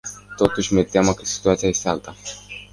Totuși, mi-e teamă că situația este alta.